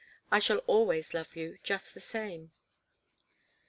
I shall always love you just the same."